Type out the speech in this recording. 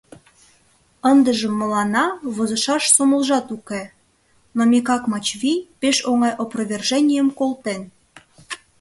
Ындыжым мыланна возышаш сомылжат уке, но Микак Мачвий пеш оҥай «опроверженийым» колтен.